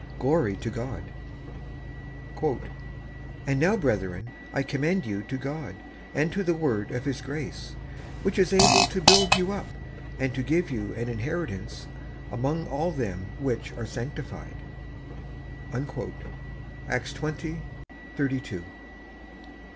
Glory to God i " And now, brethren, I commend you to God, and to the word of His grace, which is able to build you up, and to give you an inheritance among all them which are sanctified" (Acis xx, 32), CHAPTER XVII.